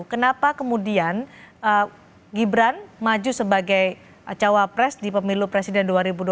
kenapa kemudian gibran maju sebagai cawapres di pemilu presiden dua ribu dua puluh